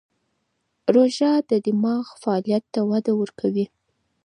روژه د دماغ فعالیت ته وده ورکوي.